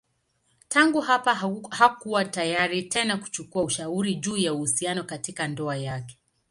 Tangu hapa hakuwa tayari tena kuchukua ushauri juu ya uhusiano katika ndoa yake.